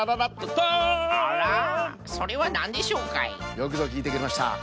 よくぞきいてくれました。